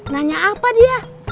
nanya apa dia